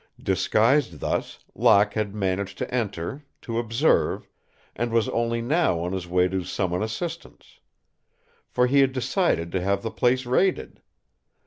Disguised thus, Locke had managed to enter, to observe, and was only now on his way to summon assistance. For he had decided to have the place raided.